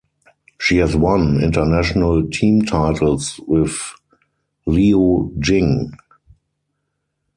She has won international team titles with Liu Jing.